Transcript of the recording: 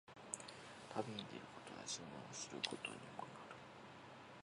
旅に出ることは、自分を知ることにもなる。